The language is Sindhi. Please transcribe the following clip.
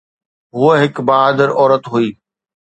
هوءَ هڪ بهادر عورت هئي.